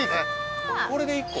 これで１個？